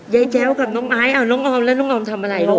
ยายแจ๊วกับหนูยายแจ๊วกับน้องไม้อ้าวน้องออมแล้วน้องออมทำอะไรลูก